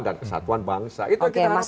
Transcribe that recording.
dan kesatuan bangsa itu yang kita harus